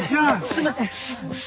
すいません。